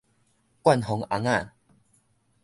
灌風尪仔